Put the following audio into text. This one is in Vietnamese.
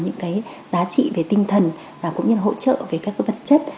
những giá trị về tinh thần và cũng như hỗ trợ về các vật chất